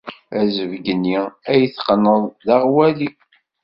Azebg-nni ay d-teqqned d aɣwali.